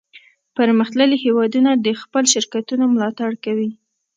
پرمختللي هیوادونه د خپلو شرکتونو ملاتړ کوي